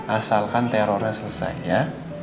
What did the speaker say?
asalkan terornya selesai ya